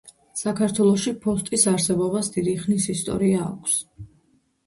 საქართველოში ფოსტის არსებობას დიდი ხნის ისტორია აქვს.